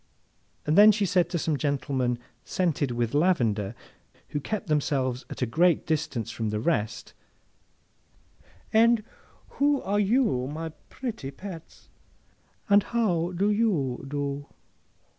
Then, she said to some gentlemen scented with lavender, who kept themselves at a great distance from the rest, 'And who are you, my pretty pets, and how do you do?